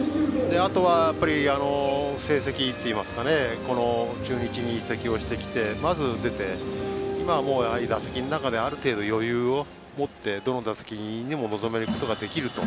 あとは、成績といいますか中日に移籍して、まずは出て今は打席の中である程度、余裕を持ってどの打席にも臨むことができると。